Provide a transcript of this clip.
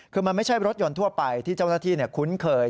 คือมันไม่ใช่รถยนต์ทั่วไปที่เจ้าหน้าที่คุ้นเคย